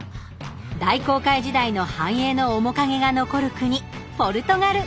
大航海時代の繁栄の面影が残る国ポルトガル。